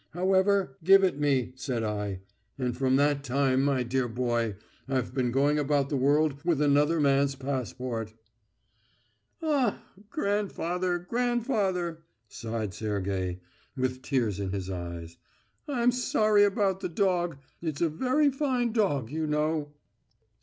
However, 'Give it me,' said I. And from that time, my dear boy, I've been going about the world with another man's passport." "Ah, grandfather, grandfather!" sighed Sergey, with tears in his eyes. "I'm sorry about the dog. It's a very fine dog, you know...."